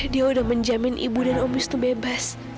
dia sudah menjamin ibu dan omis itu bebas